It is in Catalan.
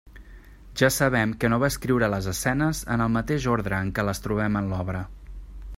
Ja sabem que no va escriure les escenes en el mateix ordre en què les trobem en l'obra.